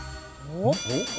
おっ？